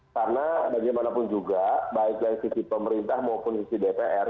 karena bagaimanapun juga baik dari sisi pemerintah maupun dari sisi dpr